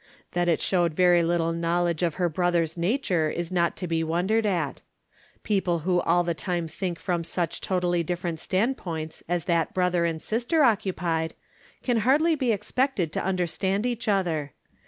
That it showed very little knowledge of her brother's nature is not to be wondered at. People who all the time think from such totally different standpoints as that brother and sister occupied, can hardly be expected to understand each other.